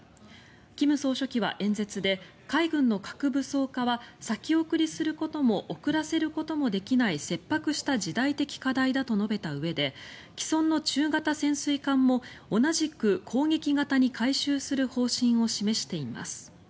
金総書記は演説で海軍の核武装化は先送りすることも遅らせることもできない切迫した時代的課題だと述べたうえで既存の中型潜水艦も同じく攻撃型に改修する方針を示しています。